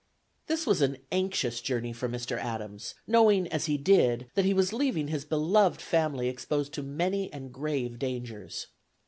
This was an anxious journey for Mr. Adams, knowing as he did, that he was leaving his beloved family exposed to many and grave dangers.